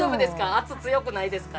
圧強くないですか？